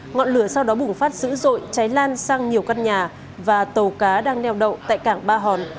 ngọn lửa sau đó bùng phát dữ dội cháy lan sang nhiều căn nhà và tàu cá đang neo đậu tại cảng ba hòn